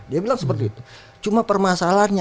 dia bilang seperti itu cuma permasalahannya